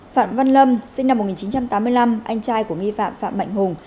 phạm văn lâm sinh năm một nghìn chín trăm tám mươi năm anh trai của nghi phạm phạm mạnh hùng